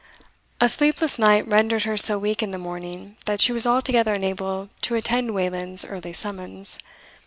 A sleepless night rendered her so weak in the morning that she was altogether unable to attend Wayland's early summons.